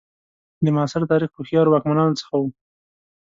د معاصر تاریخ هوښیارو واکمنانو څخه وو.